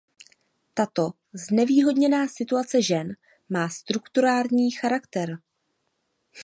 Tato znevýhodněná situace žen má strukturální charakter.